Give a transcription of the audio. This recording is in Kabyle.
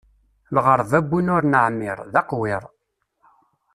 Lɣeṛba n win ur neɛmiṛ, d aqwiṛ.